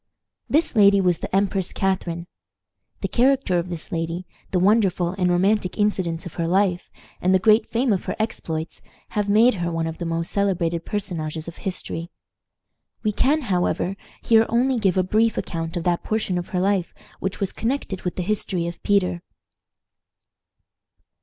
This lady was the Empress Catharine. The character of this lady, the wonderful and romantic incidents of her life, and the great fame of her exploits, have made her one of the most celebrated personages of history. We can, however, here only give a brief account of that portion of her life which was connected with the history of Peter.